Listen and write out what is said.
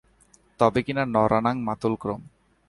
তবে কিনা, নরাণাং মাতুলক্রমঃ।